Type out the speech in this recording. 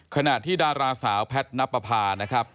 ขณะที่ดาราสาวแพทย์นับประพา